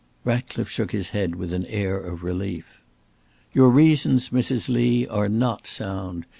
Ratcliffe shook his head with an air of relief. "Your reasons, Mrs. Lee, are not sound.